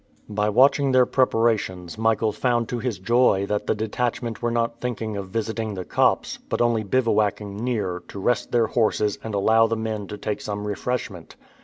By watching their preparations Michael found to his joy that the detachment were not thinking of visiting the copse, but only bivouacking near, to rest their horses and allow the men to take some refreshment.